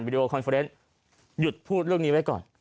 ดีโอคอนเฟอร์เนส์หยุดพูดเรื่องนี้ไว้ก่อน